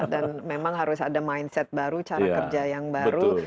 dan memang harus ada mindset baru cara kerja yang baru